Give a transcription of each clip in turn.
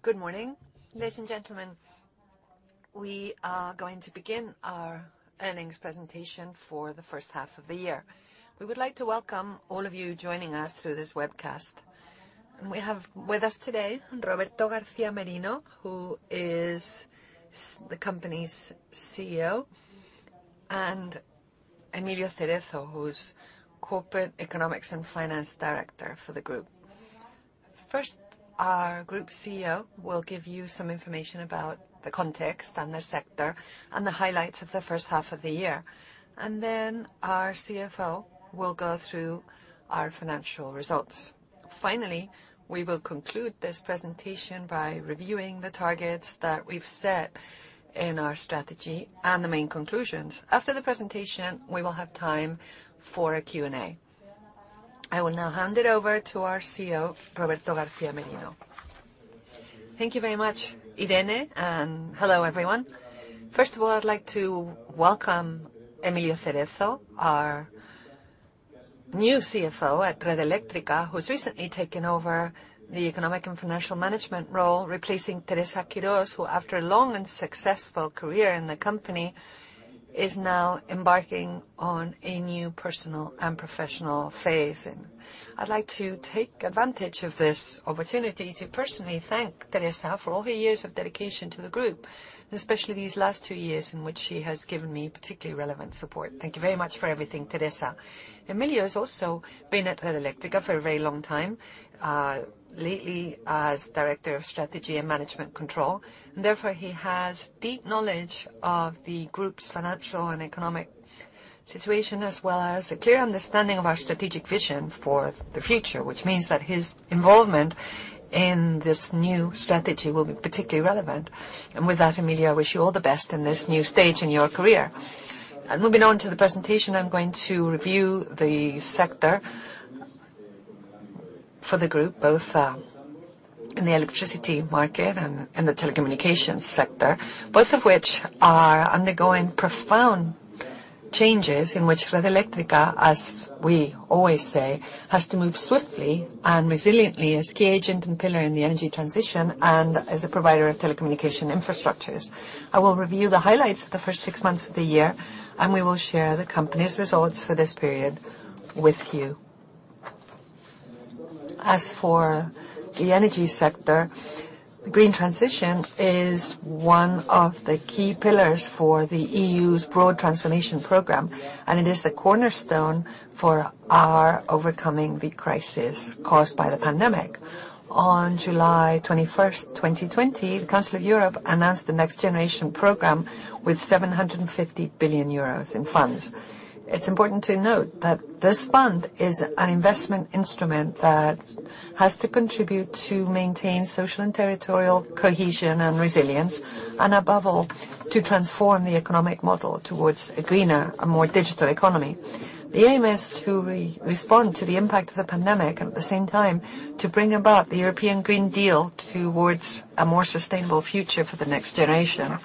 Good morning, ladies and gentlemen. We are going to begin our earnings presentation for the first half of the year. We would like to welcome all of you joining us through this webcast. We have with us today, Roberto García Merino, who is the company's CEO, and Emilio Cerezo, who's Corporate Economics and Finance Director for the Group. First, our Group CEO will give you some information about the context and the sector, and the highlights of the first half of the year. Then our CFO will go through our financial results. Finally, we will conclude this presentation by reviewing the targets that we've set in our strategy and the main conclusions. After the presentation, we will have time for a Q&A. I will now hand it over to our CEO, Roberto García Merino. Thank you very much, Irene, and hello, everyone. First of all, I'd like to welcome Emilio Cerezo, our new CFO at Red Eléctrica, who's recently taken over the economic and financial management role, replacing Teresa Quirós, who after a long and successful career in the company, is now embarking on a new personal and professional phase. I'd like to take advantage of this opportunity to personally thank Teresa for all her years of dedication to the group, and especially these last two years in which she has given me particularly relevant support. Thank you very much for everything, Teresa. Emilio's also been at Red Eléctrica for a very long time, lately as Director of Strategy and Management Control, and therefore, he has deep knowledge of the group's financial and economic situation, as well as a clear understanding of our strategic vision for the future, which means that his involvement in this new strategy will be particularly relevant. With that, Emilio, I wish you all the best in this new stage in your career. Moving on to the presentation, I'm going to review the sector for the group, both in the electricity market and the telecommunications sector, both of which are undergoing profound changes in which Red Eléctrica, as we always say, has to move swiftly and resiliently as key agent and pillar in the energy transition and as a provider of telecommunication infrastructures. I will review the highlights of the first six months of the year, and we will share the company's results for this period with you. As for the energy sector, green transition is one of the key pillars for the EU's broad transformation program, and it is the cornerstone for our overcoming the crisis caused by the pandemic. On July 21st, 2020, the Council of Europe announced the NextGenerationEU program with 750 billion euros in funds. It's important to note that this fund is an investment instrument that has to contribute to maintain social and territorial cohesion and resilience, and above all, to transform the economic model towards a greener and more digital economy. The aim is to respond to the impact of the pandemic, and at the same time, to bring about the European Green Deal towards a more sustainable future for the next generation.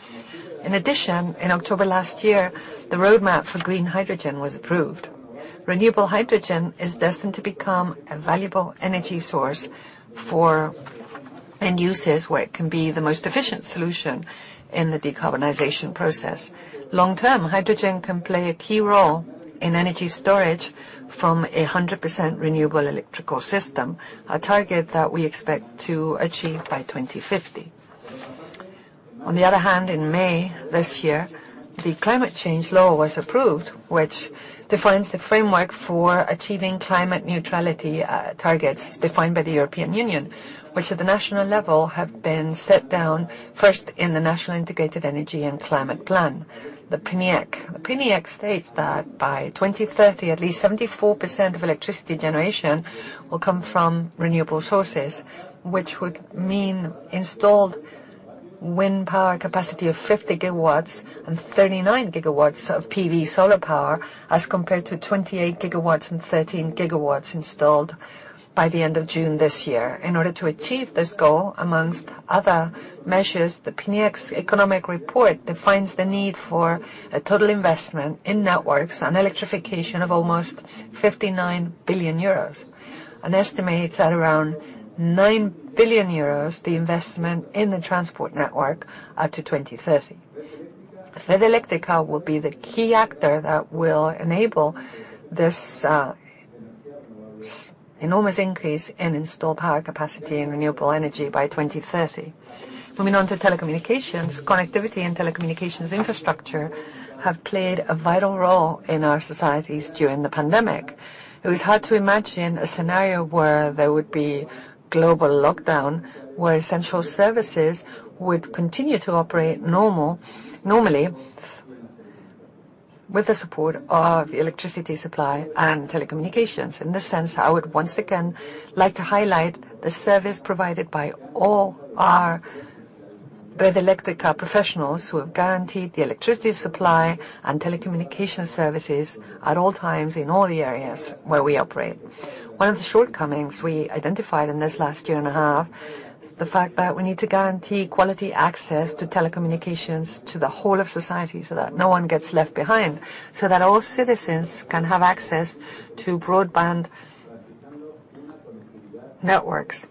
In addition, in October last year, the roadmap for green hydrogen was approved. Renewable hydrogen is destined to become a valuable energy source for end users, where it can be the most efficient solution in the decarbonization process. Long-term, hydrogen can play a key role in energy storage from 100% renewable electrical system, a target that we expect to achieve by 2050. On the other hand, in May this year, the Climate Change Law was approved, which defines the framework for achieving climate neutrality targets as defined by the European Union, which at the national level, have been set down first in the National Integrated Energy and Climate Plan, the PNIEC. The PNIEC states that by 2030, at least 74% of electricity generation will come from renewable sources, which would mean installed wind power capacity of 50 GW and 39 GW of PV solar power as compared to 28 GW and 13 GW installed by the end of June this year. In order to achieve this goal, amongst other measures, the PNIEC's economic report defines the need for a total investment in networks and electrification of almost 59 billion euros, and estimates at around 9 billion euros the investment in the transport network up to 2030. Red Eléctrica will be the key actor that will enable this enormous increase in installed power capacity and renewable energy by 2030. Moving on to telecommunications, connectivity and telecommunications infrastructure have played a vital role in our societies during the pandemic. It was hard to imagine a scenario where there would be global lockdown, where essential services would continue to operate normally with the support of electricity supply and telecommunications. In this sense, I would once again like to highlight the service provided by all our Red Eléctrica professionals who have guaranteed the electricity supply and telecommunication services at all times in all the areas where we operate. One of the shortcomings we identified in this last year and a half. The fact that we need to guarantee quality access to telecommunications to the whole of society so that no one gets left behind, so that all citizens can have access to broadband networks.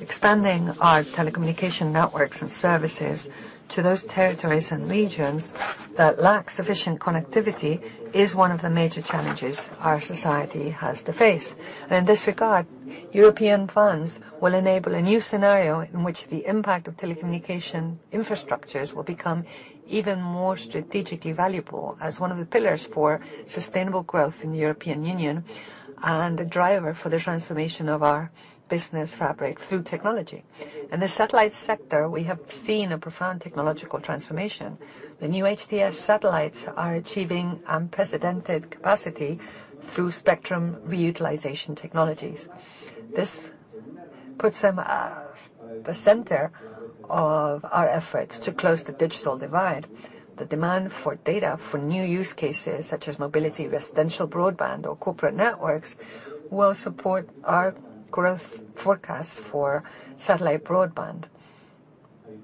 Expanding our telecommunication networks and services to those territories and regions that lack sufficient connectivity is one of the major challenges our society has to face. In this regard, European funds will enable a new scenario in which the impact of telecommunication infrastructures will become even more strategically valuable as one of the pillars for sustainable growth in the European Union and a driver for the transformation of our business fabric through technology. In the satellite sector, we have seen a profound technological transformation. The new HTS satellites are achieving unprecedented capacity through spectrum reutilization technologies. This puts them at the center of our efforts to close the digital divide. The demand for data for new use cases, such as mobility, residential broadband, or corporate networks, will support our growth forecast for satellite broadband,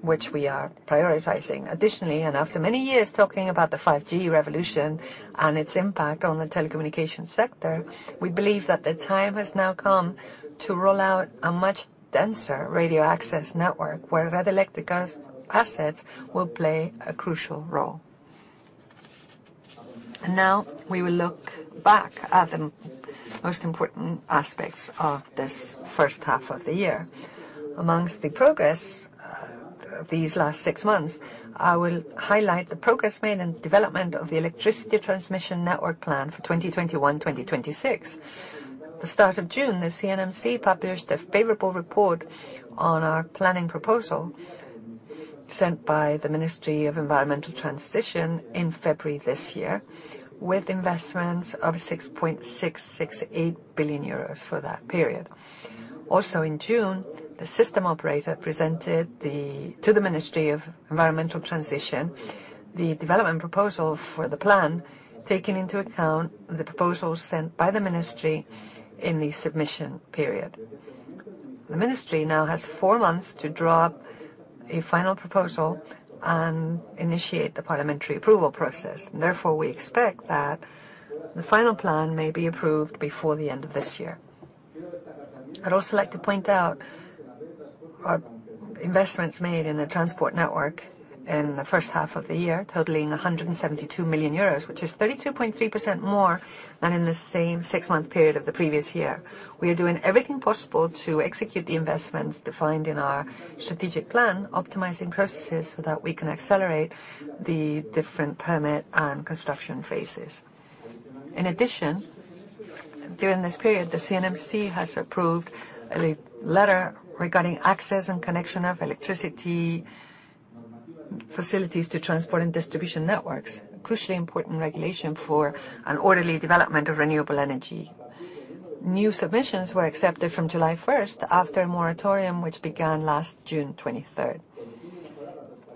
which we are prioritizing. Additionally, after many years talking about the 5G revolution and its impact on the telecommunications sector, we believe that the time has now come to roll out a much denser radio access network, where Red Eléctrica's assets will play a crucial role. Now we will look back at the most important aspects of this first half of the year. Among the progress these last six months, I will highlight the progress made in development of the Electricity Transmission Network Plan for 2021-2026. At the start of June, the CNMC published a favorable report on our planning proposal sent by the Ministry of Environmental Transition in February this year, with investments of 6.668 billion euros for that period. Also in June, the system operator presented to the Ministry of Environmental Transition the development proposal for the plan, taking into account the proposals sent by the ministry in the submission period. The Ministry now has four months to draw up a final proposal and initiate the parliamentary approval process. Therefore, we expect that the final plan may be approved before the end of this year. I'd also like to point out our investments made in the transport network in the first half of the year, totaling 172 million euros, which is 32.3% more than in the same six-month period of the previous year. We are doing everything possible to execute the investments defined in our strategic plan, optimizing processes so that we can accelerate the different permit and construction phases. In addition, during this period, the CNMC has approved a letter regarding access and connection of electricity facilities to transport and distribution networks, crucially important regulation for an orderly development of renewable energy. New submissions were accepted from July 1st after a moratorium, which began last June 23rd.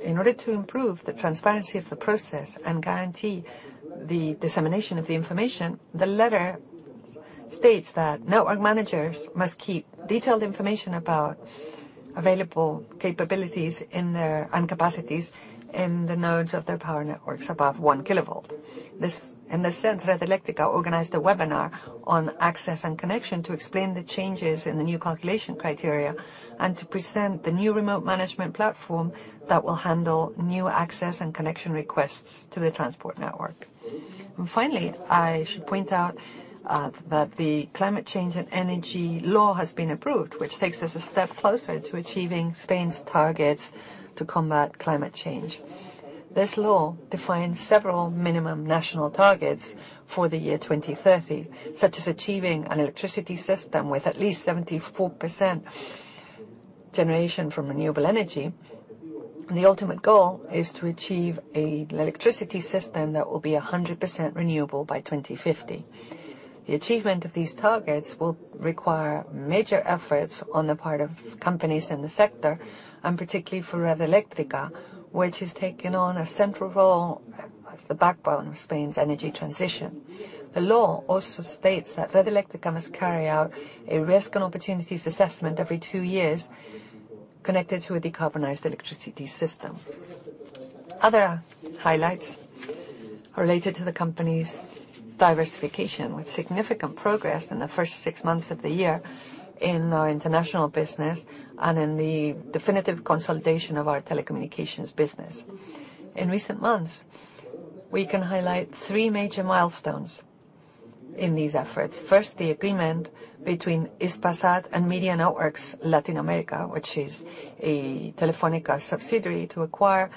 In order to improve the transparency of the process and guarantee the dissemination of the information, the letter states that network managers must keep detailed information about available capabilities and capacities in the nodes of their power networks above 1 kV. In this sense, Red Eléctrica organized a webinar on access and connection to explain the changes in the new calculation criteria and to present the new remote management platform that will handle new access and connection requests to the transport network. Finally, I should point out that the Climate Change and Energy Law has been approved, which takes us a step closer to achieving Spain's targets to combat climate change. This law defines several minimum national targets for the year 2030, such as achieving an electricity system with at least 74% generation from renewable energy. The ultimate goal is to achieve an electricity system that will be 100% renewable by 2050. The achievement of these targets will require major efforts on the part of companies in the sector, and particularly for Red Eléctrica, which has taken on a central role as the backbone of Spain's energy transition. The law also states that Red Eléctrica must carry out a risk and opportunities assessment every two years connected to a decarbonized electricity system. Other highlights related to the company's diversification, with significant progress in the first six months of the year in our international business and in the definitive consolidation of our telecommunications business. In recent months, we can highlight three major milestones in these efforts. First, the agreement between Hispasat and Media Networks Latin America, which is a Telefónica subsidiary, to acquire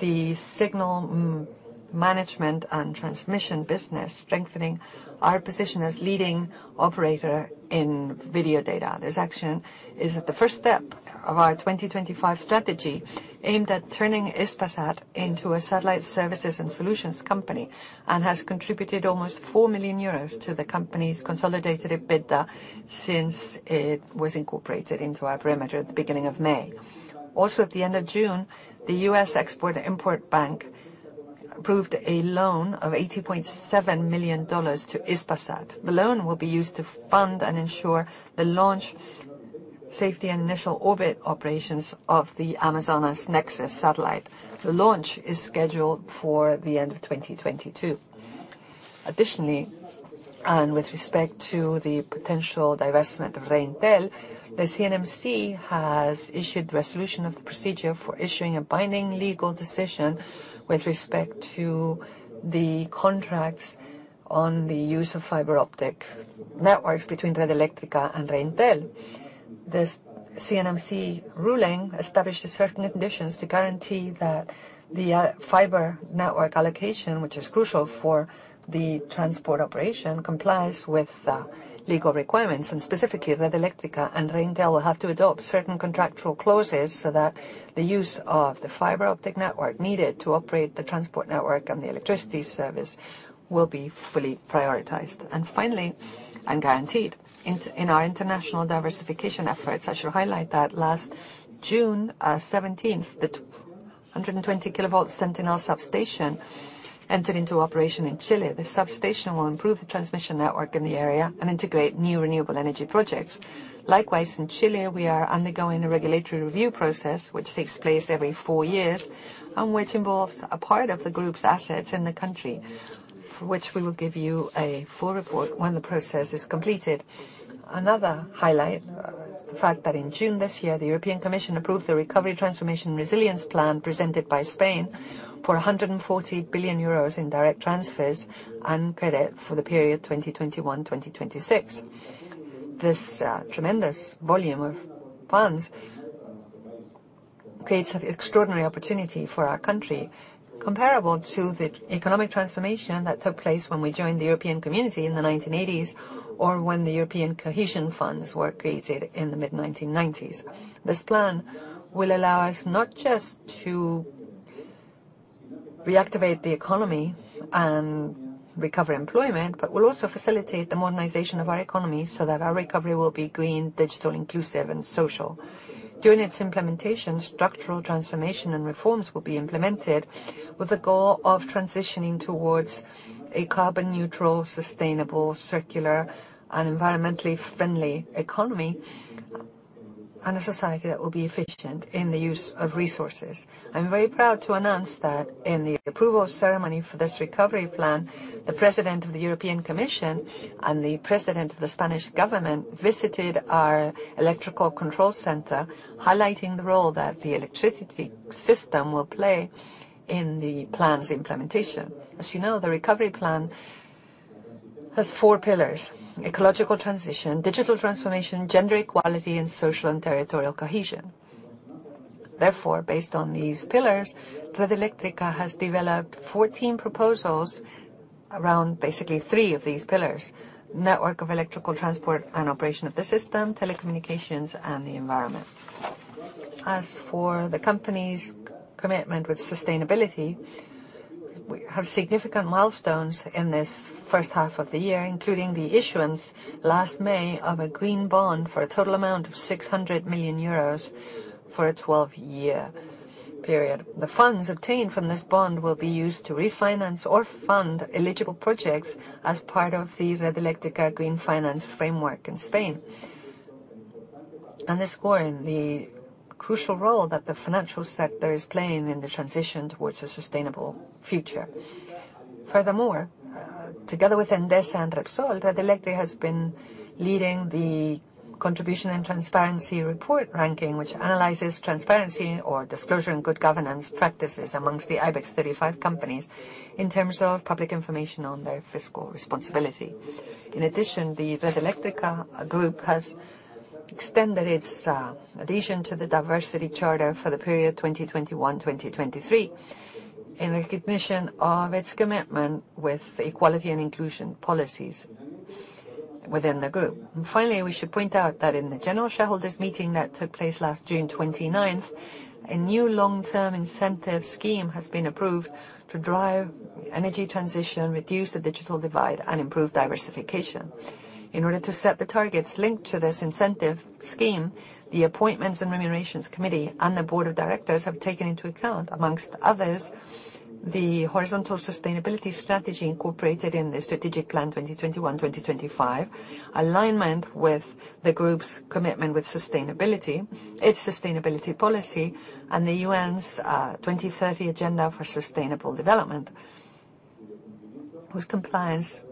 the signal management and transmission business, strengthening our position as leading operator in video data. This action is the first step of our 2025 strategy aimed at turning Hispasat into a satellite services and solutions company and has contributed almost 4 million euros to the company's consolidated EBITDA since it was incorporated into our perimeter at the beginning of May. Also at the end of June, the U.S. Export-Import Bank approved a loan of $80.7 million to Hispasat. The loan will be used to fund and ensure the launch safety and initial orbit operations of the Amazonas Nexus satellite. The launch is scheduled for the end of 2022. Additionally, with respect to the potential divestment of Reintel, the CNMC has issued the resolution of the procedure for issuing a binding legal decision with respect to the contracts on the use of fiber optic networks between Red Eléctrica and Reintel. The CNMC ruling establishes certain conditions to guarantee that the fiber network allocation, which is crucial for the transport operation, complies with legal requirements. Specifically, Red Eléctrica and Reintel will have to adopt certain contractual clauses so that the use of the fiber optic network needed to operate the transport network and the electricity service will be fully prioritized and guaranteed. Finally, in our international diversification efforts, I should highlight that last June 17th, the 120 kV Centinela substation entered into operation in Chile. This substation will improve the transmission network in the area and integrate new renewable energy projects. Likewise, in Chile, we are undergoing a regulatory review process, which takes place every four years, and which involves a part of the group's assets in the country, for which we will give you a full report when the process is completed. Another highlight, the fact that in June this year, the European Commission approved the Recovery, Transformation and Resilience Plan presented by Spain for 140 billion euros in direct transfers and credit for the period 2021-2026. This tremendous volume of funds creates an extraordinary opportunity for our country, comparable to the economic transformation that took place when we joined the European community in the 1980s, or when the European cohesion funds were created in the mid 1990s. This plan will allow us not just to reactivate the economy and recover employment, but will also facilitate the modernization of our economy so that our recovery will be green, digital, inclusive, and social. During its implementation, structural transformation and reforms will be implemented with the goal of transitioning towards a carbon neutral, sustainable, circular, and environmentally friendly economy, and a society that will be efficient in the use of resources. I'm very proud to announce that in the approval ceremony for this Recovery Plan, the president of the European Commission and the president of the Spanish government visited our electrical control center, highlighting the role that the electricity system will play in the plan's implementation. As you know, the Recovery Plan has four pillars: ecological transition, digital transformation, gender equality, and social and territorial cohesion. Therefore, based on these pillars, Red Eléctrica has developed 14 proposals around basically three of these pillars: network of electrical transport and operation of the system, telecommunications, and the environment. As for the company's commitment with sustainability, we have significant milestones in this first half of the year, including the issuance last May of a green bond for a total amount of 600 million euros for a 12-year period. The funds obtained from this bond will be used to refinance or fund eligible projects as part of the Red Eléctrica Green Finance Framework in Spain, underscoring the crucial role that the financial sector is playing in the transition towards a sustainable future. Together with Endesa and Repsol, Red Eléctrica has been leading the contribution and transparency report ranking, which analyzes transparency or disclosure and good governance practices amongst the IBEX 35 companies in terms of public information on their fiscal responsibility. The Red Eléctrica group has extended its adhesion to the Diversity Charter for the period 2021-2023, in recognition of its commitment with equality and inclusion policies within the group. We should point out that in the general shareholders meeting that took place last June 29th, a new long-term incentive scheme has been approved to drive energy transition, reduce the digital divide, and improve diversification. In order to set the targets linked to this incentive scheme, the appointments and remunerations committee and the board of directors have taken into account, among others, the horizontal sustainability strategy incorporated in the Strategic Plan 2021-2025, alignment with the group's commitment with sustainability, its sustainability policy, and the UN's 2030 Agenda for Sustainable Development, whose compliance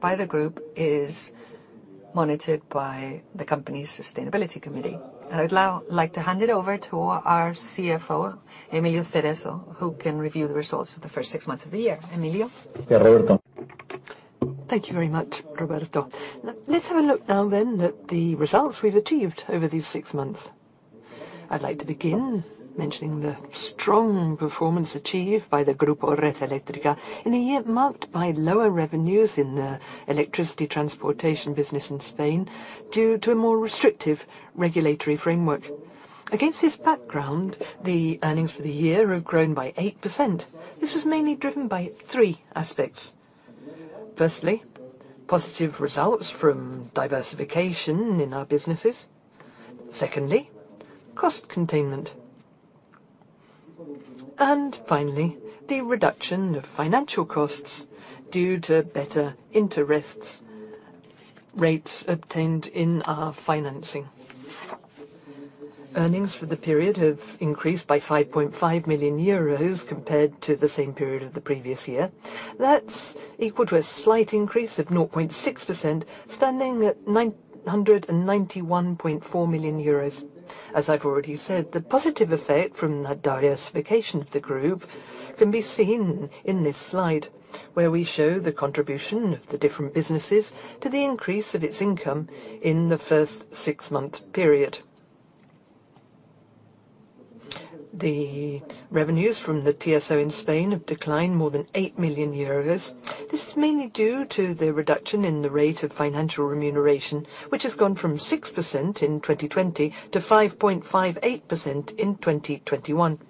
by the group is monitored by the company's Sustainability Committee. I'd now like to hand it over to our CFO, Emilio Cerezo, who can review the results of the first six months of the year. Emilio? Thank you very much, Roberto. Let's have a look now at the results we've achieved over these six months. I'd like to begin mentioning the strong performance achieved by the Grupo Red Eléctrica in a year marked by lower revenues in the electricity transportation business in Spain, due to a more restrictive regulatory framework. Against this background, the earnings for the year have grown by 8%. This was mainly driven by three aspects. Firstly, positive results from diversification in our businesses. Secondly, cost containment. Finally, the reduction of financial costs due to better interest rates obtained in our financing. Earnings for the period have increased by 5.5 million euros compared to the same period of the previous year. That's equal to a slight increase of 0.6%, standing at 991.4 million euros. As I've already said, the positive effect from the diversification of the group can be seen in this slide, where we show the contribution of the different businesses to the increase of its income in the first six-month period. The revenues from the TSO in Spain have declined more than 8 million euros. This is mainly due to the reduction in the rate of financial remuneration, which has gone from 6% in 2020 to 5.58% in 2021.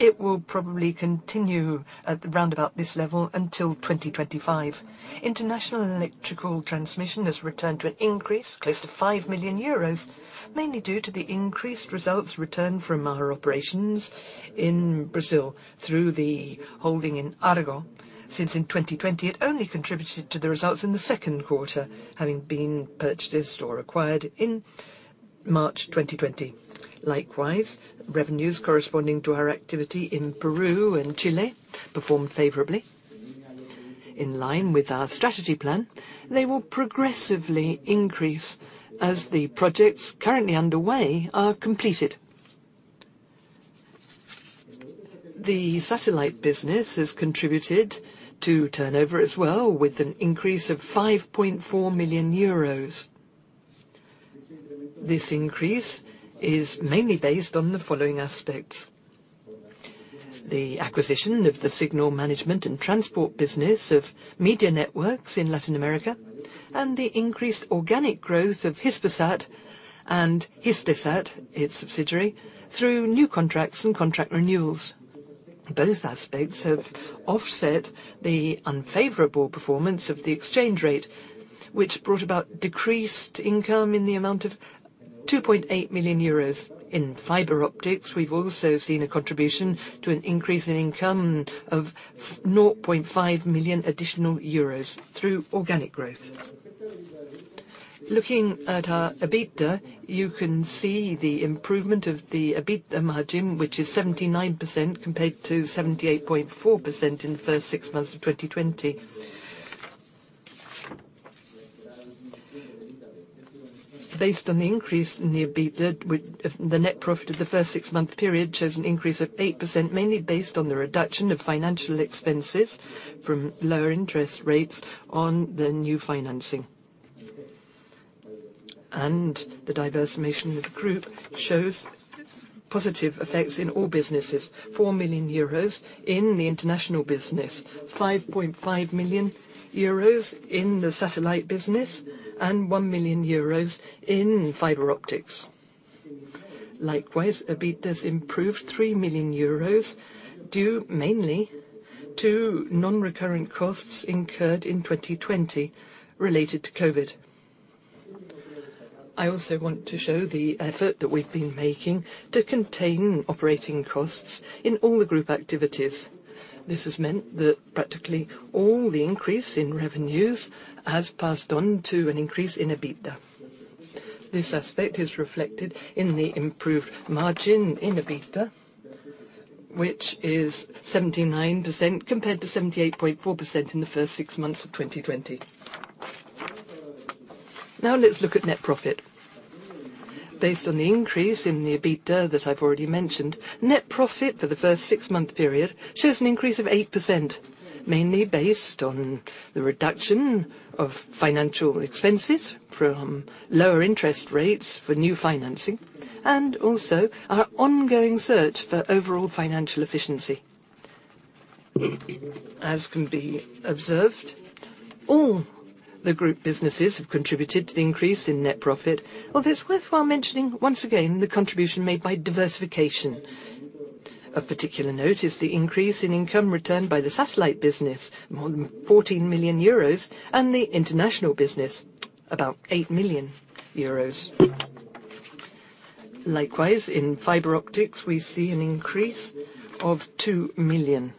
It will probably continue at around about this level until 2025. International electrical transmission has returned to an increase close to 5 million euros, mainly due to the increased results returned from our operations in Brazil through the holding in Argo, since in 2020, it only contributed to the results in the second quarter, having been purchased or acquired in March 2020. Likewise, revenues corresponding to our activity in Peru and Chile performed favorably. In line with our strategy plan, they will progressively increase as the projects currently underway are completed. The satellite business has contributed to turnover as well with an increase of 5.4 million euros. This increase is mainly based on the following aspects: The acquisition of the signal management and transport business of Media Networks in Latin America, and the increased organic growth of Hispasat and Hisdesat, its subsidiary, through new contracts and contract renewals. Both aspects have offset the unfavorable performance of the exchange rate, which brought about decreased income in the amount of 2.8 million euros. In fiber optics, we've also seen a contribution to an increase in income of 0.5 million euros additional through organic growth. Looking at our EBITDA, you can see the improvement of the EBITDA margin, which is 79% compared to 78.4% in the first six months of 2020. Based on the increase in the EBITDA, the net profit of the first six-month period shows an increase of 8%, mainly based on the reduction of financial expenses from lower interest rates on the new financing. The diversification of the group shows positive effects in all businesses, 4 million euros in the international business, 5.5 million euros in the satellite business, and 1 million euros in fiber optics. Likewise, EBITDA improved 3 million euros due mainly to non-recurrent costs incurred in 2020 related to COVID. I also want to show the effort that we've been making to contain operating costs in all the group activities. This has meant that practically all the increase in revenues has passed on to an increase in EBITDA. This aspect is reflected in the improved margin in EBITDA, which is 79% compared to 78.4% in the first six months of 2020. Now let's look at net profit. Based on the increase in the EBITDA that I've already mentioned, net profit for the first six-month period shows an increase of 8%, mainly based on the reduction of financial expenses from lower interest rates for new financing, and also our ongoing search for overall financial efficiency. As can be observed, all the group businesses have contributed to the increase in net profit, although it's worthwhile mentioning, once again, the contribution made by diversification. Of particular note is the increase in income returned by the satellite business, more than 14 million euros, and the international business, about 8 million euros. Likewise, in fiber optics, we see an increase of 2 million.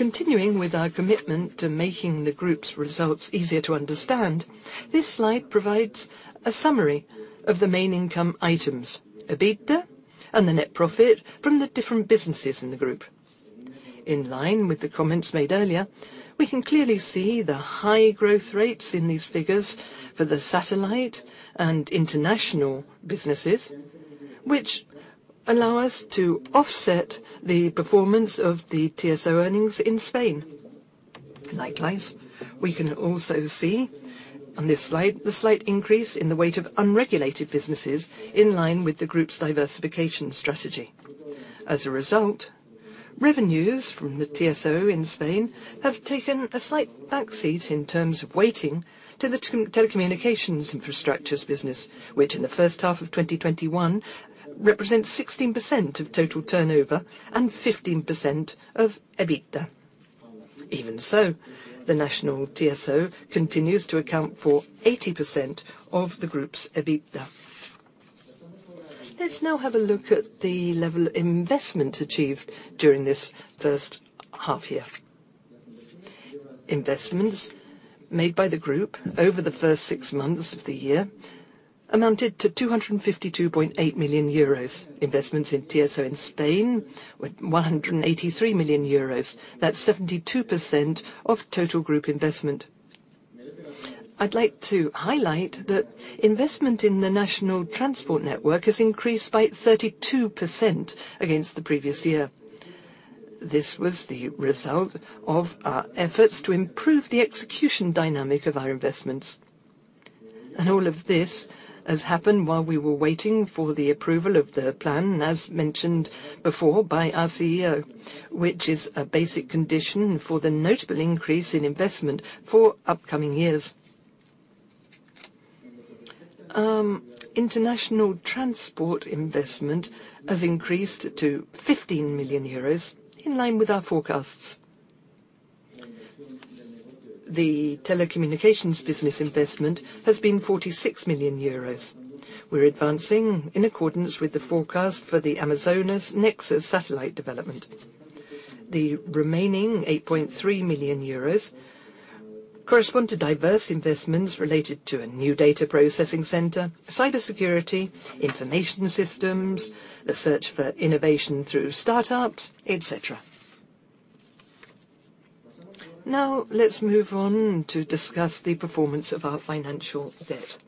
Continuing with our commitment to making the group's results easier to understand, this slide provides a summary of the main income items, EBITDA and the net profit from the different businesses in the group. In line with the comments made earlier, we can clearly see the high growth rates in these figures for the satellite and international businesses, which allow us to offset the performance of the TSO earnings in Spain. We can also see on this slide the slight increase in the weight of unregulated businesses in line with the group's diversification strategy. Revenues from the TSO in Spain have taken a slight back seat in terms of weighting to the telecommunications infrastructures business, which in the first half of 2021 represents 16% of total turnover and 15% of EBITDA. The national TSO continues to account for 80% of the group's EBITDA. Let's now have a look at the level of investment achieved during this first half year. Investments made by the group over the first six months of the year amounted to 252.8 million euros. Investments in TSO in Spain, 183 million euros. That's 72% of total group investment. I'd like to highlight that investment in the national transport network has increased by 32% against the previous year. This was the result of our efforts to improve the execution dynamic of our investments. All of this has happened while we were waiting for the approval of the plan, as mentioned before by our CEO, which is a basic condition for the notable increase in investment for upcoming years. International transport investment has increased to 15 million euros, in line with our forecasts. The telecommunications business investment has been 46 million euros. We're advancing in accordance with the forecast for the Amazonas Nexus satellite development. The remaining 8.3 million euros correspond to diverse investments related to a new data processing center, cybersecurity, information systems, the search for innovation through startups, et cetera. Now, let's move on to discuss the performance of our financial debt.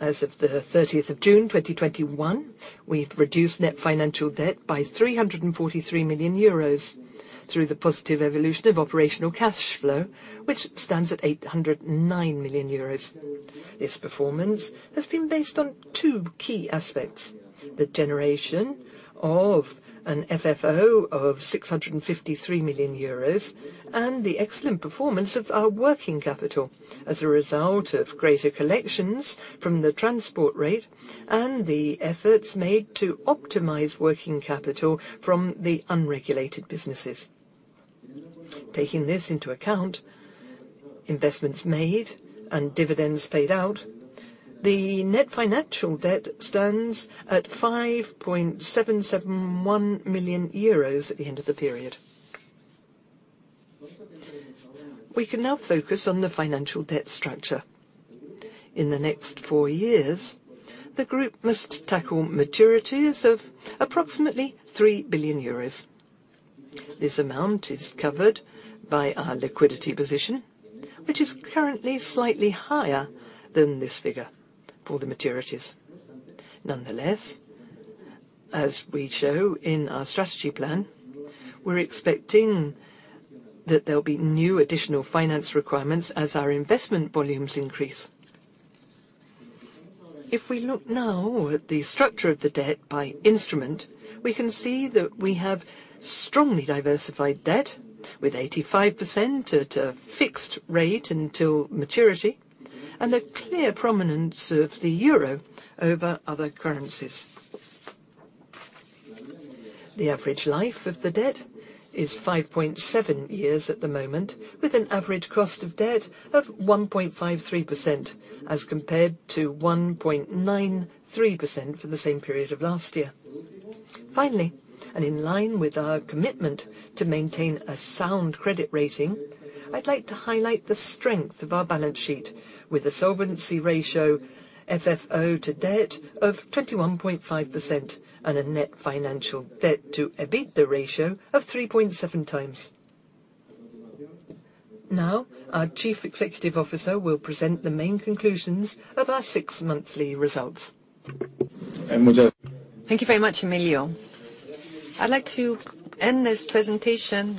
As of the 30th of June 2021, we've reduced net financial debt by 343 million euros through the positive evolution of operational cash flow, which stands at 809 million euros. This performance has been based on two key aspects, the generation of an FFO of 653 million euros, and the excellent performance of our working capital as a result of greater collections from the transport rate and the efforts made to optimize working capital from the unregulated businesses. Taking this into account, investments made and dividends paid out, the net financial debt stands at 5.771 million euros at the end of the period. We can now focus on the financial debt structure. In the next four years, the group must tackle maturities of approximately 3 billion euros. This amount is covered by our liquidity position, which is currently slightly higher than this figure for the maturities. Nonetheless, as we show in our strategy plan, we're expecting that there'll be new additional finance requirements as our investment volumes increase. If we look now at the structure of the debt by instrument, we can see that we have strongly diversified debt, with 85% at a fixed rate until maturity, and a clear prominence of the euro over other currencies. The average life of the debt is 5.7 years at the moment, with an average cost of debt of 1.53% as compared to 1.93% for the same period of last year. In line with our commitment to maintain a sound credit rating, I'd like to highlight the strength of our balance sheet with a solvency ratio FFO to debt of 21.5% and a net financial debt to EBITDA ratio of 3.7x. Our Chief Executive Officer will present the main conclusions of our six monthly results. Thank you very much, Emilio. I'd like to end this presentation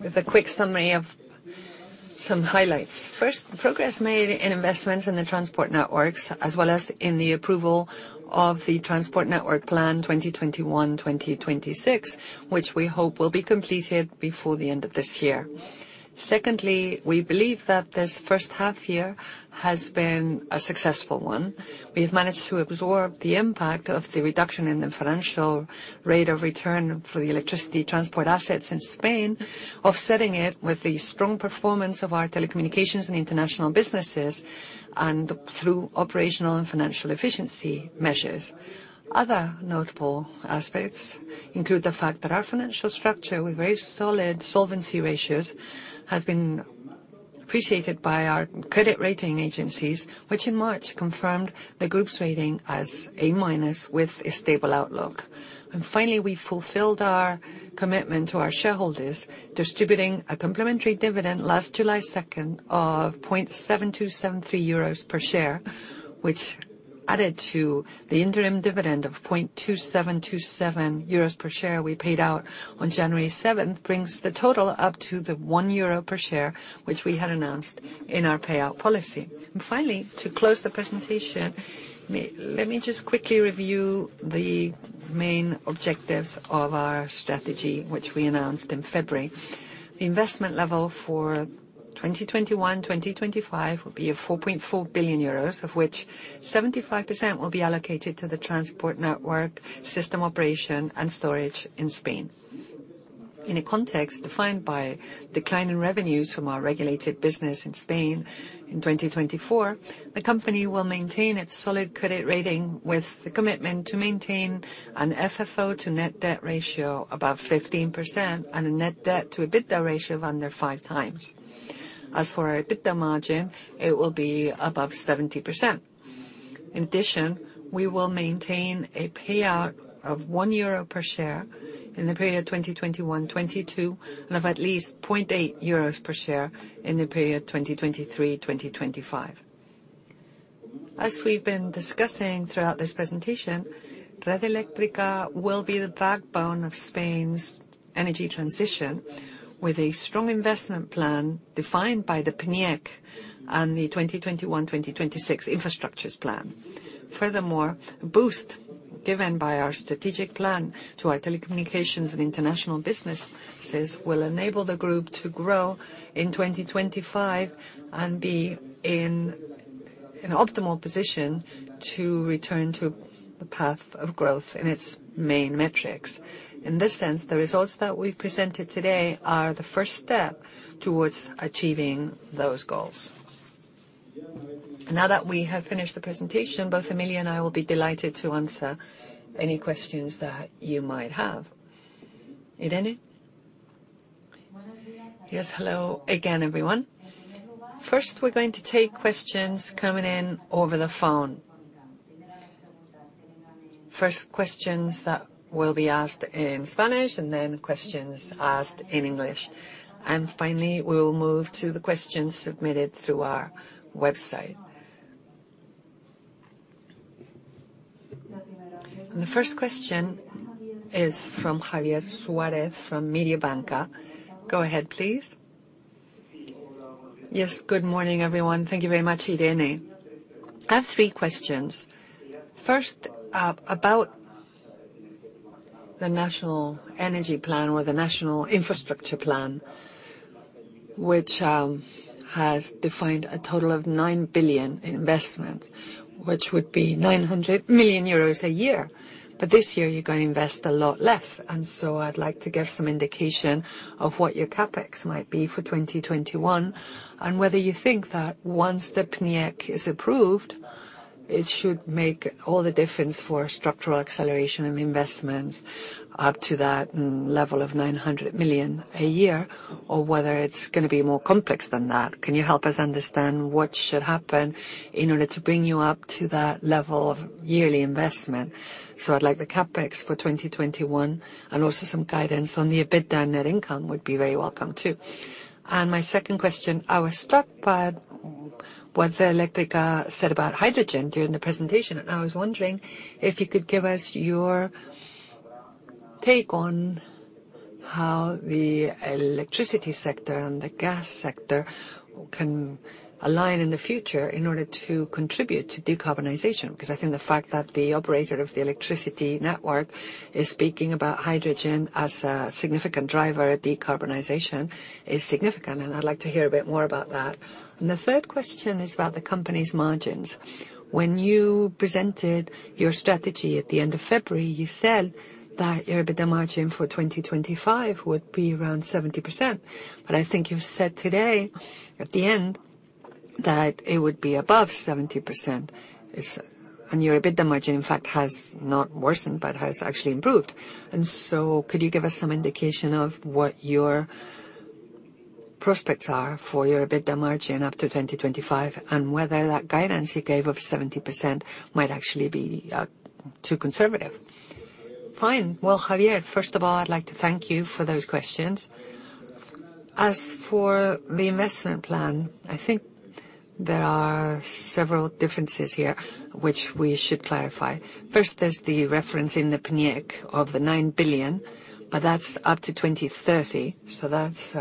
with a quick summary of some highlights. First, the progress made in investments in the transport networks, as well as in the approval of the Transport Network Plan 2021-2026, which we hope will be completed before the end of this year. Secondly, we believe that this first half year has been a successful one. We have managed to absorb the impact of the reduction in the financial rate of return for the electricity transport assets in Spain, offsetting it with the strong performance of our telecommunications and international businesses and through operational and financial efficiency measures. Other notable aspects include the fact that our financial structure, with very solid solvency ratios, has been appreciated by our credit rating agencies, which in March confirmed the group's rating as A- with a stable outlook. Finally, we fulfilled our commitment to our shareholders, distributing a complimentary dividend last July 2nd of 0.7273 euros per share, which added to the interim dividend of 0.2727 euros per share we paid out on January 7th, brings the total up to the 1 euro per share, which we had announced in our payout policy. Finally, to close the presentation, let me just quickly review the main objectives of our strategy, which we announced in February. The investment level for 2021-2025 will be 4.4 billion euros, of which 75% will be allocated to the transport network, system operation, and storage in Spain. In a context defined by declining revenues from our regulated business in Spain in 2024, the company will maintain its solid credit rating with the commitment to maintain an FFO to net debt ratio above 15% and a net debt to EBITDA ratio of under 5x. As for our EBITDA margin, it will be above 70%. We will maintain a payout of 1 euro per share in the period 2021-2022, and of at least 0.8 euros per share in the period 2023-2025. As we've been discussing throughout this presentation, Red Eléctrica will be the backbone of Spain's energy transition, with a strong investment plan defined by the PNIEC and the 2021-2026 infrastructures plan. A boost given by our strategic plan to our telecommunications and international businesses will enable the group to grow in 2025, and be in an optimal position to return to the path of growth in its main metrics. In this sense, the results that we've presented today are the first step towards achieving those goals. Now that we have finished the presentation, both Emilio and I will be delighted to answer any questions that you might have. Irene? Yes, hello again, everyone. First, we're going to take questions coming in over the phone. First questions that will be asked in Spanish, then questions asked in English. Finally, we will move to the questions submitted through our website. The first question is from Javier Suárez from Mediobanca. Go ahead, please. Yes, good morning, everyone. Thank you very much, Irene. I have three questions. First, about the National Energy Plan or the National Infrastructure Plan, which has defined a total of 9 billion investment, which would be 900 million euros a year. This year you're going to invest a lot less, and so I'd like to get some indication of what your CapEx might be for 2021, and whether you think that once the PNIEC is approved, it should make all the difference for structural acceleration and investment up to that level of 900 million a year, or whether it's going to be more complex than that. Can you help us understand what should happen in order to bring you up to that level of yearly investment? I'd like the CapEx for 2021 and also some guidance on the EBITDA and net income would be very welcome, too. My second question, I was struck by what Red Eléctrica said about hydrogen during the presentation, and I was wondering if you could give us your take on how the electricity sector and the gas sector can align in the future in order to contribute to decarbonization. I think the fact that the operator of the electricity network is speaking about hydrogen as a significant driver of decarbonization is significant, and I'd like to hear a bit more about that. The third question is about the company's margins. When you presented your strategy at the end of February, you said that your EBITDA margin for 2025 would be around 70%, but I think you've said today at the end that it would be above 70%. Your EBITDA margin, in fact, has not worsened, but has actually improved. Could you give us some indication of what your prospects are for your EBITDA margin up to 2025, and whether that guidance you gave of 70% might actually be too conservative? Fine. Well, Javier, first of all, I'd like to thank you for those questions. As for the investment plan, I think there are several differences here which we should clarify. First, there's the reference in the PNIEC of the 9 billion, but that's up to 2030, so that's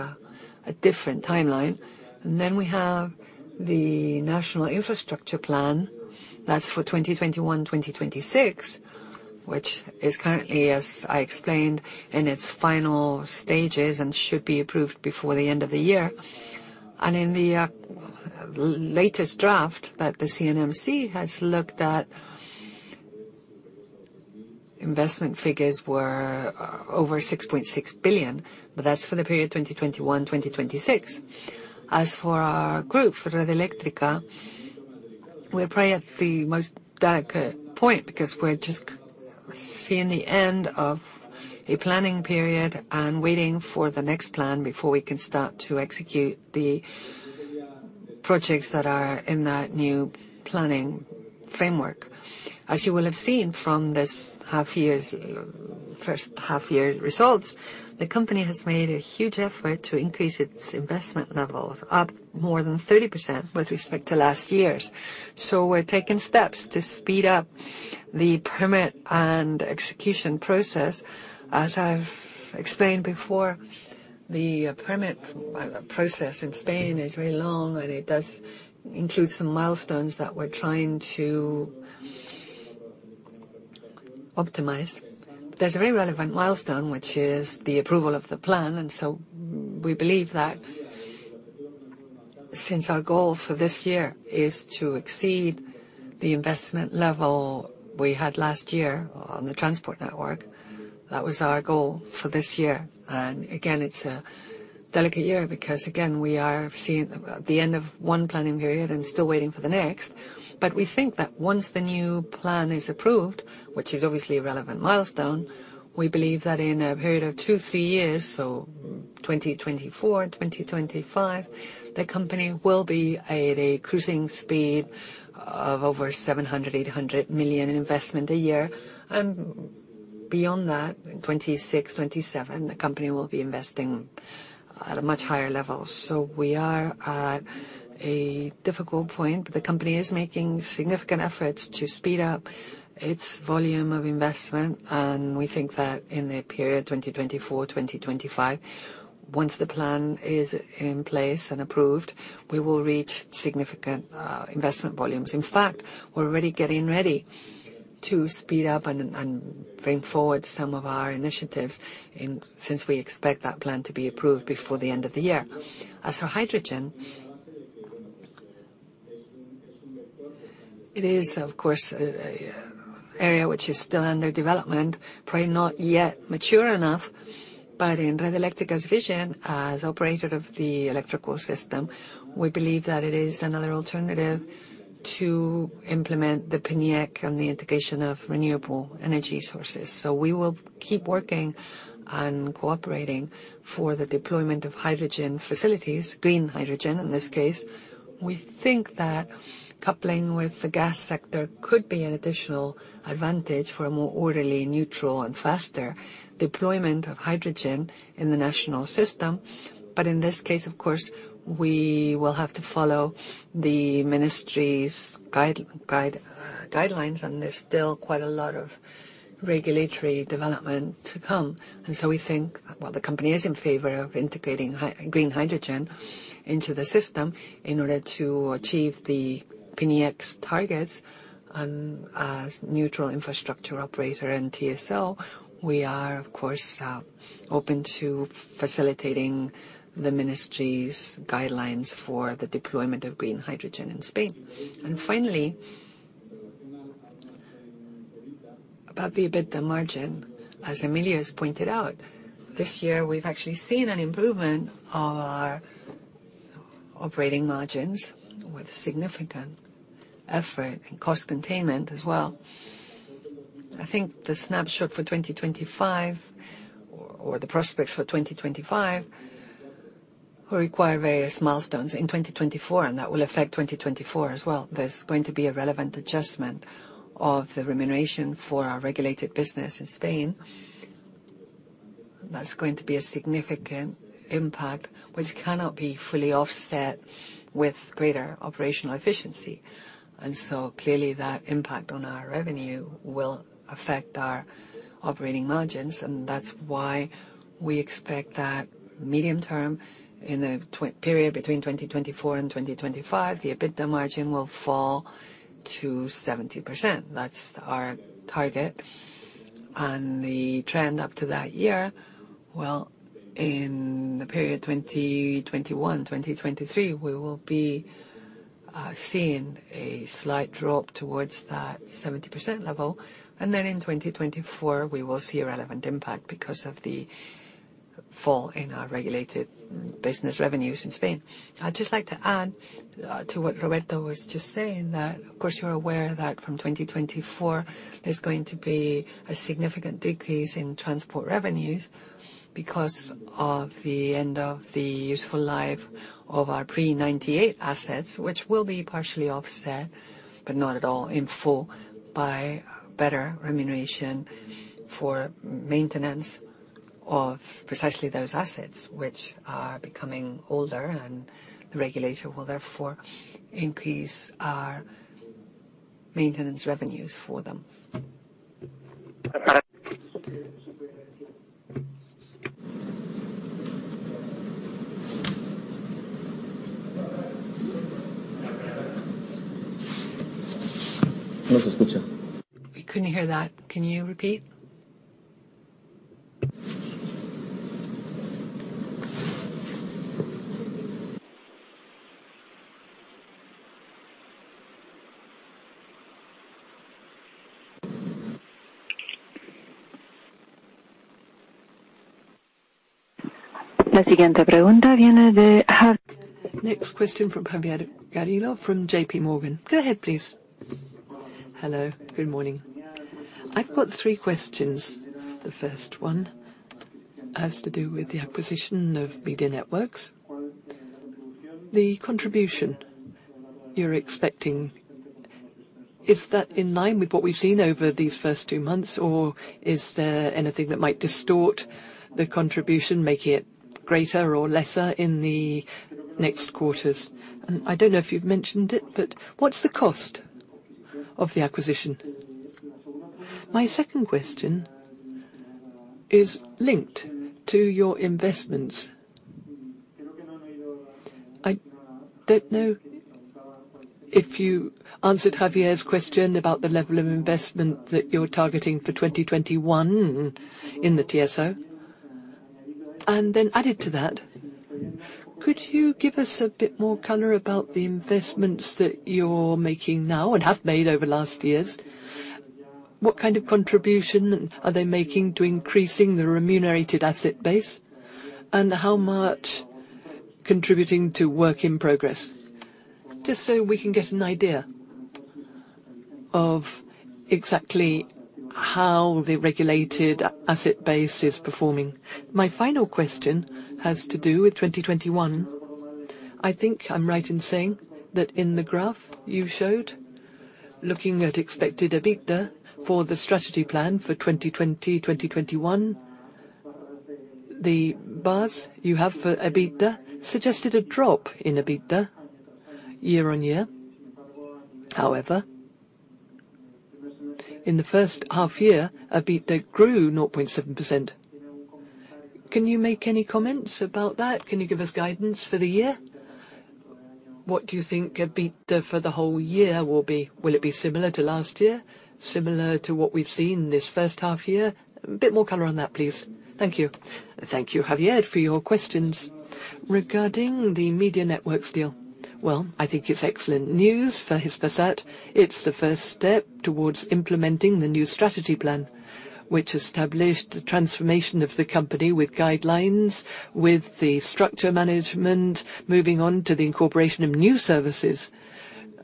a different timeline. We have the national infrastructure plan, that's for 2021, 2026, which is currently, as I explained, in its final stages and should be approved before the end of the year. In the latest draft that the CNMC has looked at, investment figures were over 6.6 billion, but that's for the period 2021, 2026. As for our group, for Red Eléctrica, we play at the most delicate point because we're just seeing the end of a planning period and waiting for the next plan before we can start to execute the projects that are in that new planning framework. As you will have seen from this first half-year results, the company has made a huge effort to increase its investment levels up more than 30% with respect to last year's. We're taking steps to speed up the permit and execution process. As I've explained before, the permit process in Spain is very long, and it does include some milestones that we're trying to optimize. There's a very relevant milestone, which is the approval of the plan. We believe that since our goal for this year is to exceed the investment level we had last year on the transport network, that was our goal for this year. Again, it's a delicate year because, again, we are seeing the end of one planning period and still waiting for the next. We think that once the new plan is approved, which is obviously a relevant milestone, we believe that in a period of two, three years, so 2024, 2025, the company will be at a cruising speed of over 700 million-800 million in investment a year. Beyond that, 2026, 2027, the company will be investing at a much higher level. We are at a difficult point. The company is making significant efforts to speed up its volume of investment, and we think that in the period 2024, 2025, once the plan is in place and approved, we will reach significant investment volumes. In fact, we're already getting ready to speed up and bring forward some of our initiatives since we expect that plan to be approved before the end of the year. As for hydrogen, it is, of course, an area which is still under development, probably not yet mature enough. In Red Eléctrica's vision, as operator of the electrical system, we believe that it is another alternative to implement the PNIEC and the integration of renewable energy sources. We will keep working and cooperating for the deployment of hydrogen facilities, green hydrogen in this case. We think that coupling with the gas sector could be an additional advantage for a more orderly, neutral, and faster deployment of hydrogen in the national system. In this case, of course, we will have to follow the ministry's guidelines, and there's still quite a lot of regulatory development to come. We think, while the company is in favor of integrating green hydrogen into the system in order to achieve the PNIEC's targets and as neutral infrastructure operator and TSO, we are, of course, open to facilitating the ministry's guidelines for the deployment of green hydrogen in Spain. Finally, about the EBITDA margin, as Emilio has pointed out, this year, we've actually seen an improvement on our operating margins with significant effort and cost containment as well. I think the snapshot for 2025 or the prospects for 2025 require various milestones in 2024, and that will affect 2024 as well. There's going to be a relevant adjustment of the remuneration for our regulated business in Spain. That's going to be a significant impact, which cannot be fully offset with greater operational efficiency. Clearly that impact on our revenue will affect our operating margins, and that's why we expect that medium term, in the period between 2024 and 2025, the EBITDA margin will fall to 70%. That's our target. The trend up to that year, well, in the period 2021, 2023, we will be seeing a slight drop towards that 70% level. In 2024, we will see a relevant impact because of the fall in our regulated business revenues in Spain. I'd just like to add to what Roberto was just saying, that, of course, you're aware that from 2024, there's going to be a significant decrease in transport revenues because of the end of the useful life of our pre-1998 assets, which will be partially offset, but not at all in full, by better remuneration for maintenance of precisely those assets, which are becoming older and the regulator will therefore increase our maintenance revenues for them. We couldn't hear that. Can you repeat? Next question from Javier Garrido from JPMorgan. Go ahead, please. Hello, good morning. I've got three questions. The first one has to do with the acquisition of Media Networks. The contribution you're expecting, is that in line with what we've seen over these first two months, or is there anything that might distort the contribution, making it greater or lesser in the next quarters? I don't know if you've mentioned it, but what's the cost of the acquisition? My second question is linked to your investments. I don't know if you answered Javier's question about the level of investment that you're targeting for 2021 in the TSO. Then added to that, could you give us a bit more color about the investments that you're making now and have made over the last years? What kind of contribution are they making to increasing the remunerated asset base and how much contributing to work in progress? Just so we can get an idea of exactly how the regulated asset base is performing. My final question has to do with 2021. I think I'm right in saying that in the graph you showed, looking at expected EBITDA for the strategy plan for 2020, 2021, the bars you have for EBITDA suggested a drop in EBITDA year on year. However, in the first half year, EBITDA grew 0.7%. Can you make any comments about that? Can you give us guidance for the year? What do you think EBITDA for the whole year will be? Will it be similar to last year, similar to what we've seen this first half year? A bit more color on that, please. Thank you. Thank you, Javier, for your questions. Regarding the Media Networks deal, I think it's excellent news for Hispasat. It's the first step towards implementing the new strategy plan, which established the transformation of the company with guidelines, with the structure management, moving on to the incorporation of new services,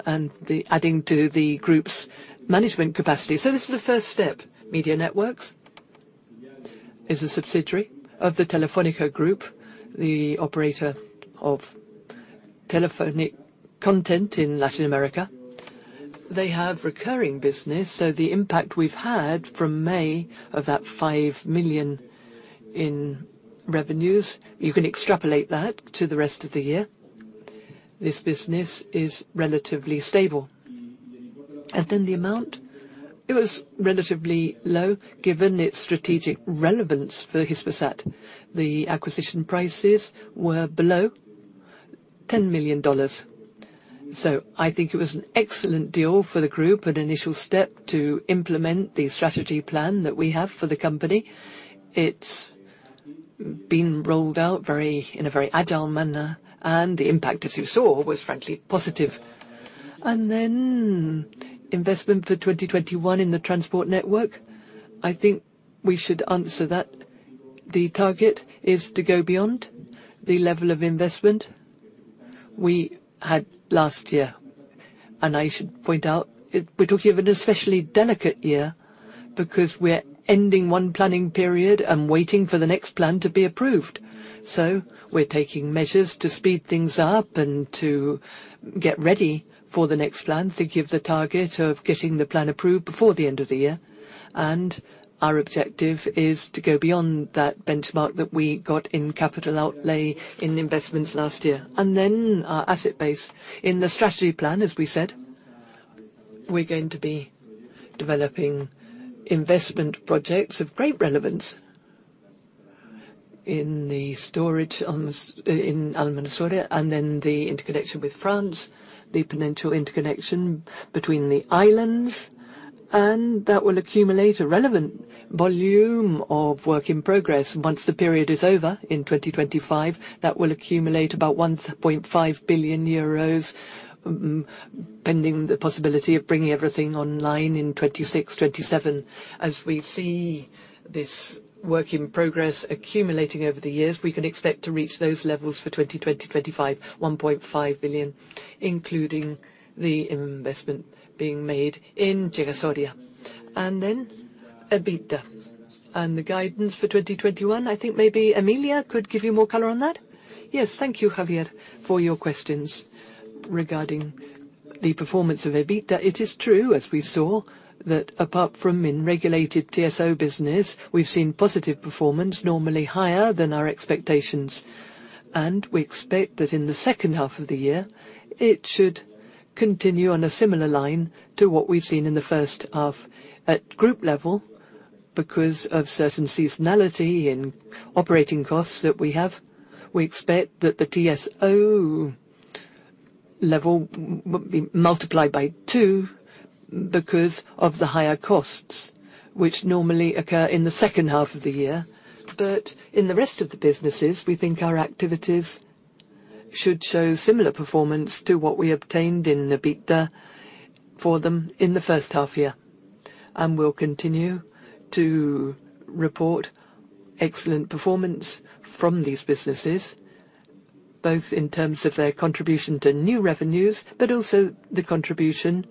and adding to the group's management capacity. This is the first step. Media Networks is a subsidiary of the Telefónica Group, the operator of telephonic content in Latin America. They have recurring business, the impact we've had from May of that 5 million in revenues, you can extrapolate that to the rest of the year. This business is relatively stable. The amount, it was relatively low, given its strategic relevance for Hispasat. The acquisition prices were below $10 million. I think it was an excellent deal for the group, an initial step to implement the strategy plan that we have for the company. It's been rolled out in a very agile manner, and the impact, as you saw, was frankly positive. Investment for 2021 in the transport network, I think we should answer that the target is to go beyond the level of investment we had last year. I should point out, we're talking of an especially delicate year because we're ending one planning period and waiting for the next plan to be approved. We're taking measures to speed things up and to get ready for the next plan, thinking of the target of getting the plan approved before the end of the year. Our objective is to go beyond that benchmark that we got in capital outlay in investments last year. Our asset base. In the strategy plan, as we said, we're going to be developing investment projects of great relevance in the storage in Almanzora, the interconnection with France, the potential interconnection between the islands, and that will accumulate a relevant volume of work in progress. Once the period is over in 2025, that will accumulate about 1.5 billion euros, pending the possibility of bringing everything online in 2026, 2027. As we see this work in progress accumulating over the years, we can expect to reach those levels for 2025, 1.5 billion, including the investment being made in Chira-Soria. EBITDA and the guidance for 2021. I think maybe Emilio could give you more color on that. Yes, thank you, Javier, for your questions regarding the performance of EBITDA. It is true, as we saw, that apart from in regulated TSO business, we've seen positive performance, normally higher than our expectations. We expect that in the second half of the year, it should continue on a similar line to what we've seen in the first half. At group level, because of certain seasonality in operating costs that we have, we expect that the TSO level will be multiplied by 2 because of the higher costs, which normally occur in the second half of the year. In the rest of the businesses, we think our activities should show similar performance to what we obtained in EBITDA for them in the first half year. We'll continue to report excellent performance from these businesses, both in terms of their contribution to new revenues, but also the contribution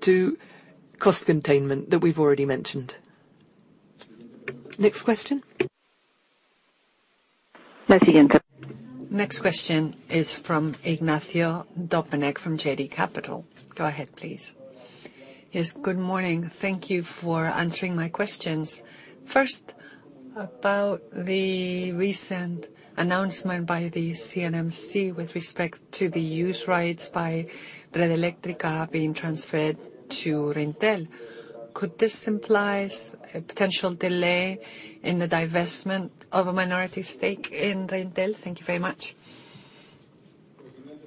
to cost containment that we've already mentioned. Next question? Next question is from Ignacio Domenech from JB Capital. Go ahead, please. Good morning. Thank you for answering my questions. First, about the recent announcement by the CNMC with respect to the use rights by Red Eléctrica being transferred to Reintel. Could this implies a potential delay in the divestment of a minority stake in Reintel? Thank you very much.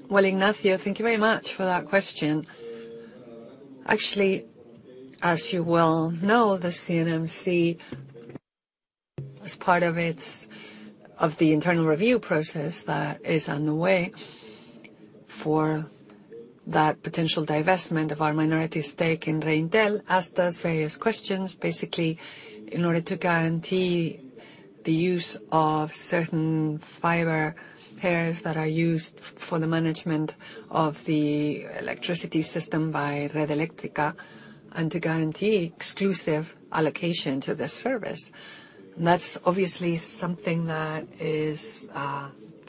Well, Ignacio, thank you very much for that question. Actually, as you well know, the CNMC, as part of the internal review process that is on the way for that potential divestment of our minority stake in Reintel, asked us various questions, basically in order to guarantee the use of certain fiber pairs that are used for the management of the electricity system by Red Eléctrica, and to guarantee exclusive allocation to the service. That's obviously something that is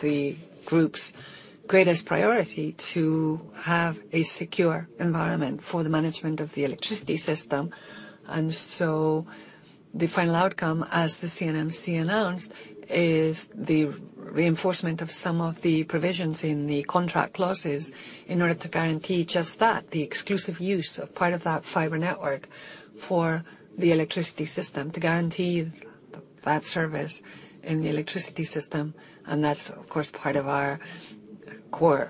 the group's greatest priority, to have a secure environment for the management of the electricity system. The final outcome, as the CNMC announced, is the reinforcement of some of the provisions in the contract clauses in order to guarantee just that, the exclusive use of part of that fiber network for the electricity system, to guarantee that service in the electricity system. That's, of course, part of our core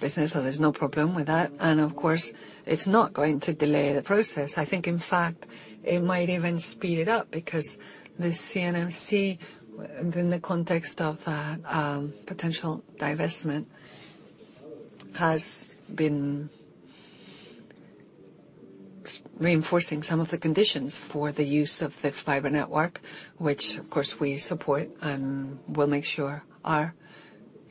business, so there's no problem with that. Of course, it's not going to delay the process. I think, in fact, it might even speed it up because the CNMC, within the context of that potential divestment, has been reinforcing some of the conditions for the use of the fiber network, which of course, we support and we'll make sure are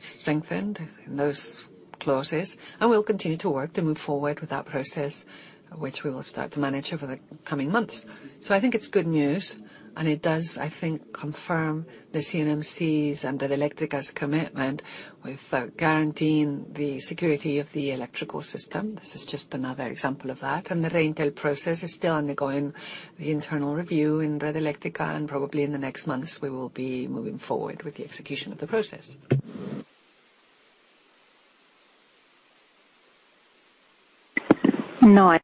strengthened in those clauses. We'll continue to work to move forward with that process, which we will start to manage over the coming months. I think it's good news, and it does, I think, confirm the CNMC's and Red Eléctrica's commitment with guaranteeing the security of the electrical system. This is just another example of that. The Reintel process is still undergoing the internal review in Red Eléctrica, and probably in the next months, we will be moving forward with the execution of the process. No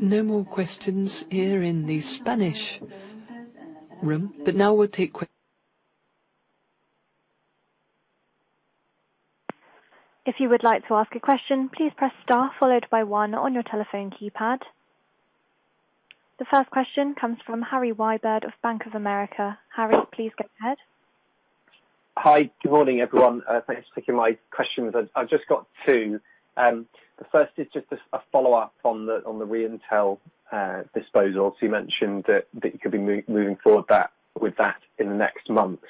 more questions here in the Spanish room, now we'll take questions. The first question comes from Harry Wyburd of Bank of America. Harry, please go ahead. Hi. Good morning, everyone. Thanks for taking my question. I've just got two. The first is just a follow-up on the Reintel disposal. You mentioned that you could be moving forward with that in the next months.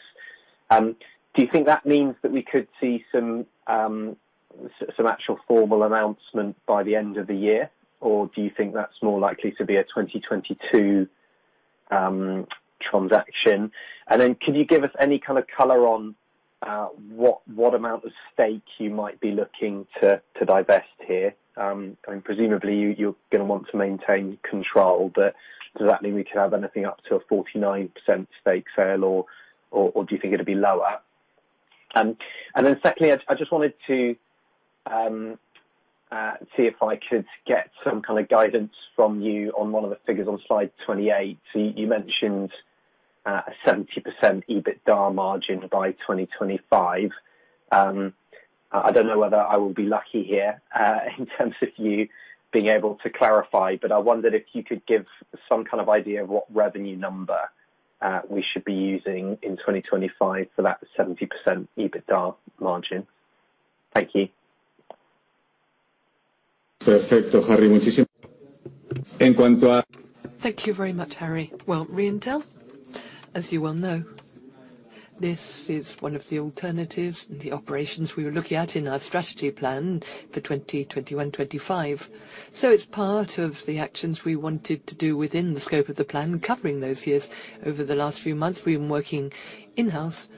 Do you think that means that we could see some actual formal announcement by the end of the year, or do you think that's more likely to be a 2022 transaction? Can you give us any kind of color on what amount of stake you might be looking to divest here? Presumably, you're going to want to maintain control, but does that mean we could have anything up to a 49% stake sale, or do you think it'll be lower? Secondly, I just wanted to see if I could get some kind of guidance from you on one of the figures on slide 28. You mentioned a 70% EBITDA margin by 2025. I don't know whether I will be lucky here in terms of you being able to clarify, but I wondered if you could give some kind of idea of what revenue number we should be using in 2025 for that 70% EBITDA margin. Thank you. Thank you very much, Harry. Well, Reintel, as you well know, this is one of the alternatives and the operations we were looking at in our strategy plan for 2021-2025. It's part of the actions we wanted to do within the scope of the plan covering those years. Over the last few months, we've been working in-house,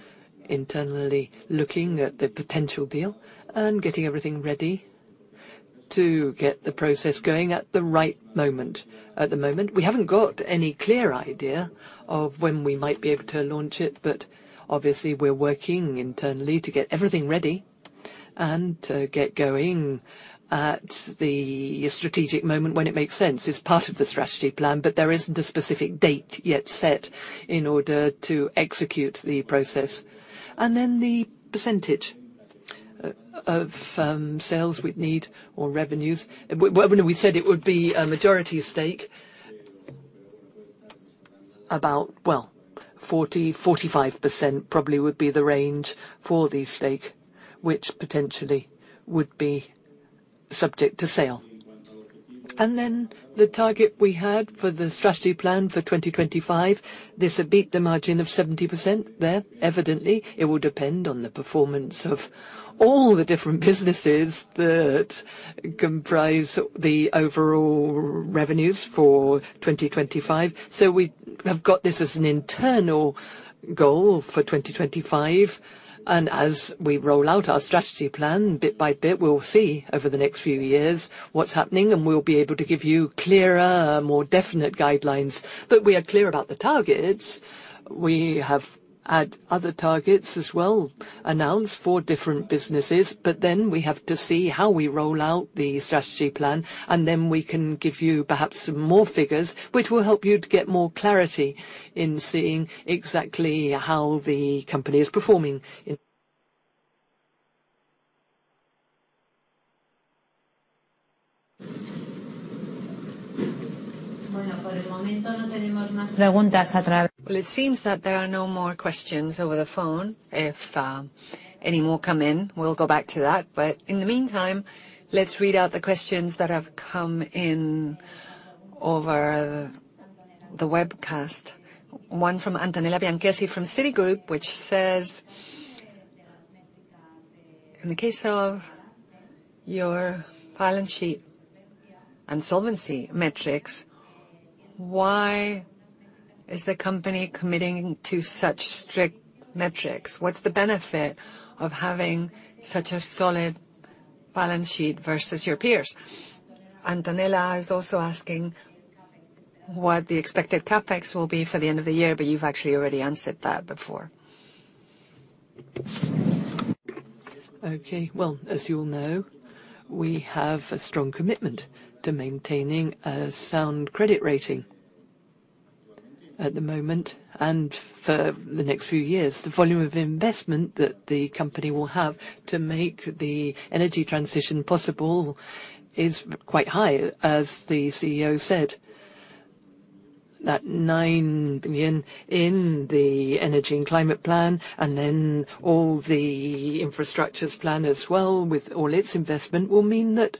internally looking at the potential deal and getting everything ready to get the process going at the right moment. At the moment, we haven't got any clear idea of when we might be able to launch it, but obviously, we're working internally to get everything ready and to get going at the strategic moment when it makes sense. It's part of the strategy plan, but there isn't a specific date yet set in order to execute the process. The percentage of sales we'd need or revenues. We said it would be a majority stake about 40%-45% probably would be the range for the stake, which potentially would be subject to sale. The target we had for the strategy plan for 2025, this would beat the margin of 70% there. Evidently, it will depend on the performance of all the different businesses that comprise the overall revenues for 2025. We have got this as an internal goal for 2025, and as we roll out our strategy plan bit by bit, we will see over the next few years what's happening, and we'll be able to give you clearer, more definite guidelines. We are clear about the targets. We have had other targets as well announced for different businesses, we have to see how we roll out the strategy plan, we can give you perhaps some more figures which will help you to get more clarity in seeing exactly how the company is performing. It seems that there are no more questions over the phone. If any more come in, we'll go back to that. In the meantime, let's read out the questions that have come in over the webcast. One from Antonella Bianchessi from Citigroup, which says, "In the case of your balance sheet and solvency metrics, why is the company committing to such strict metrics? What's the benefit of having such a solid balance sheet versus your peers?" Antonella is also asking what the expected CapEx will be for the end of the year, but you've actually already answered that before. Well, as you all know, we have a strong commitment to maintaining a sound credit rating at the moment and for the next few years. The volume of investment that the company will have to make the energy transition possible is quite high, as the CEO said. That 9 billion in the Energy and Climate Plan, and then all the infrastructures plan as well with all its investment, will mean that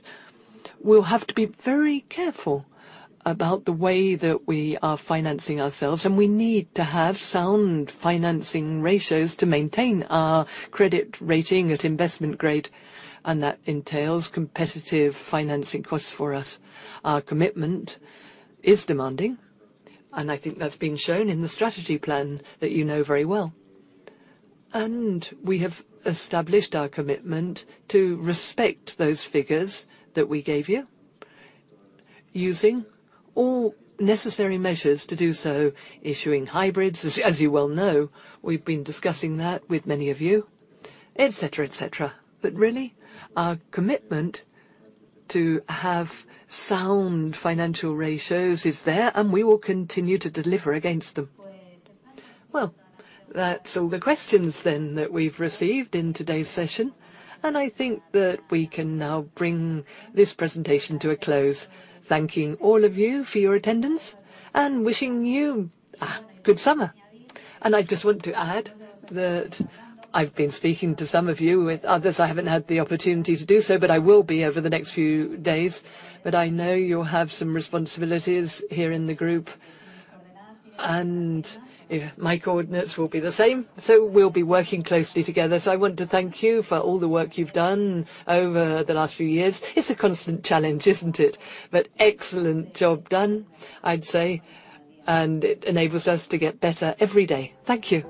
we will have to be very careful about the way that we are financing ourselves, and we need to have sound financing ratios to maintain our credit rating at investment grade, and that entails competitive financing costs for us. Our commitment is demanding, and I think that is being shown in the strategy plan that you know very well. We have established our commitment to respect those figures that we gave you, using all necessary measures to do so, issuing hybrids, as you well know. We've been discussing that with many of you, et cetera. Really, our commitment to have sound financial ratios is there, and we will continue to deliver against them. Well, that's all the questions then that we've received in today's session, and I think that we can now bring this presentation to a close, thanking all of you for your attendance and wishing you a good summer. I just want to add that I've been speaking to some of you. With others, I haven't had the opportunity to do so, but I will be over the next few days. I know you'll have some responsibilities here in the group, and my coordinates will be the same. We'll be working closely together. I want to thank you for all the work you've done over the last few years. It's a constant challenge, isn't it? Excellent job done, I'd say, and it enables us to get better every day. Thank you.